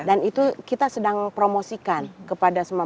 dan itu kita sedang promosikan kepada semua